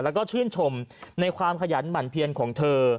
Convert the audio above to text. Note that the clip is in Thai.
แล้วก็ชื่นชมในความขยันหมั่นเพียนของเธอ